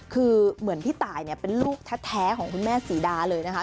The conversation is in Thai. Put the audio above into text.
คือเหมือนพี่ตายเนี่ยเป็นลูกแท้ของคุณแม่ศรีดาเลยนะคะ